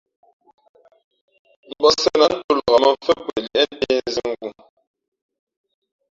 Mbᾱʼ sēn ā ntō nlak mᾱmfén kwe liēʼntē nzīngū.